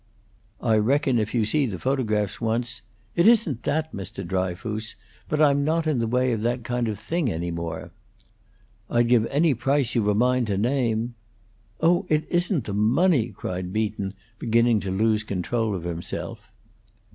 "I reckon if you see the photographs once " "It isn't that, Mr. Dryfoos. But I'm not in the way of that kind of thing any more." "I'd give any price you've a mind to name " "Oh, it isn't the money!" cried Beaton, beginning to lose control of himself.